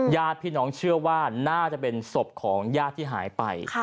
ญาติพี่น้องเชื่อว่าน่าจะเป็นศพของญาติที่หายไป